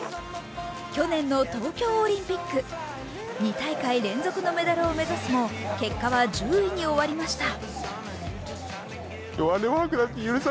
去年の東京オリンピック、２大会連続のメダルを目指すも結果は１０位に終わりました。